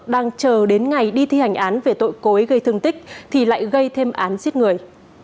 đang chờ đến ngày đi thi hành án về tội cối gây thương tích thì lại gây thêm án giết người